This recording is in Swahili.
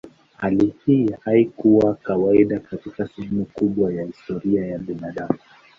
Hali hii haikuwa kawaida katika sehemu kubwa ya historia ya binadamu.